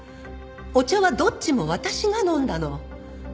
お茶はどっちも私が飲んだの。